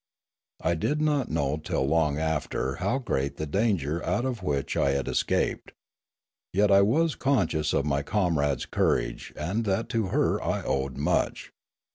I did not know till long after how great was the danger out of which I had escaped. Yet I was conscious of my comrade's courage and that to her I owed much.